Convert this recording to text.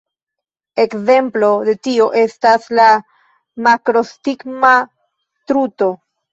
Ekzemplo de tio estas la makrostigma truto.